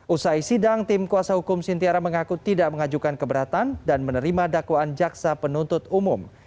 usai sidang tim kuasa hukum sintiara mengaku tidak mengajukan keberatan dan menerima dakwaan jaksa penuntut umum